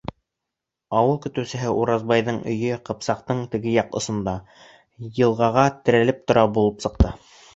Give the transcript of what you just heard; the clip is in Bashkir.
Ауыл көтөүсеһе Уразбайҙың өйө Ҡыпсаҡтың теге яҡ осонда, йылғаға терәлеп тора булып сыҡты.